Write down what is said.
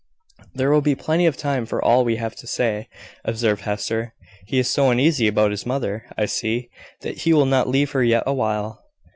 "There will be plenty of time for all we have to say," observed Hester. "He is so uneasy about his mother, I see, that he will not leave her yet awhile."